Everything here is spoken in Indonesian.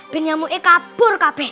ben nyamuk kabur kabeh